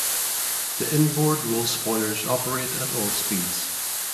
The inboard roll spoilers operate at all speeds.